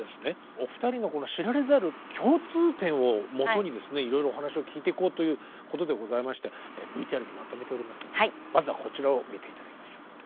お二人のこの知られざる共通点をもとにいろいろお話を聞いていこうということでございましてＶＴＲにまとめておりますのでまずはこちらを見て頂きましょう。